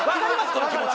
この気持ち。